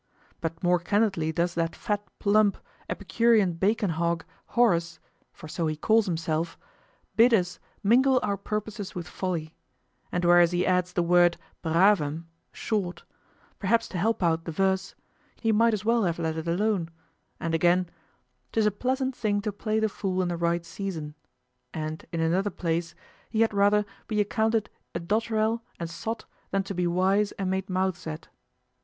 But more candidly does that fat plump "Epicurean bacon hog," Horace, for so he calls himself, bid us "mingle our purposes with folly;" and whereas he adds the word bravem, short, perhaps to help out the verse, he might as well have let it alone; and again, "'Tis a pleasant thing to play the fool in the right season;" and in another place, he had rather "be accounted a dotterel and sot than to be wise and made mouths at."